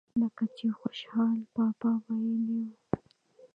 لکه چې خوشحال بابا وئيلي وو۔